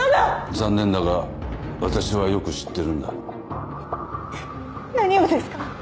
残念だが私はよく知ってるんだ。何をですか？